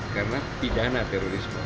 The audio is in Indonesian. karena pidana terorisme